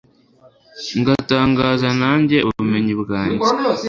ngatangaza nanjye ubumenyi bwanjye